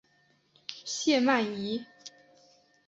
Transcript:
谢曼怡。